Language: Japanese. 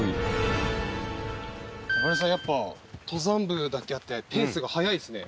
あばれるさんやっぱ登山部だけあってペースが速いですね。